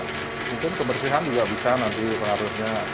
mungkin kebersihan juga bisa nanti pengaruhnya